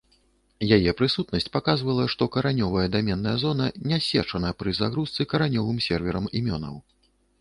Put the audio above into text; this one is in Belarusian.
Яе прысутнасць паказвала, што каранёвая даменная зона не ссечана пры загрузцы каранёвым серверам імёнаў.